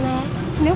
đang gọi mẹ này